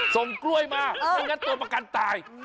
ส่งกล้วยมาไม่งั้นตัวประกันตาย